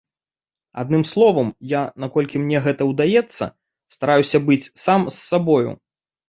Адным словам, я, наколькі мне гэта ўдаецца, стараюся быць сам з сабою.